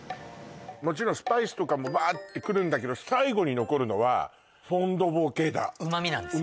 もちろんスパイスとかもワッてくるんだけど最後に残るのはフォン・ド・ボー系だ旨味なんですよ